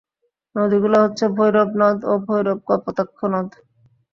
নদীগুলো হচ্ছে ভৈরব নদ ও ভৈরব-কপোতাক্ষ নদ।